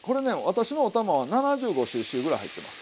私のお玉は７５ｃｃぐらい入ってます。